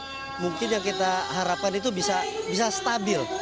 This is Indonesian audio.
jadi mungkin yang kita harapkan itu bisa stabil